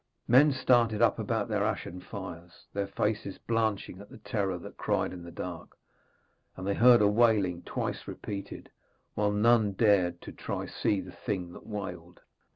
Men started up about their ashen fires, their faces blanching at the terror that cried in the dark, and they heard the wailing twice repeated, while none dared try to see the thing that wailed.